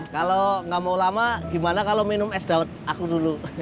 kalau nggak mau lama gimana kalau minum es daun aku dulu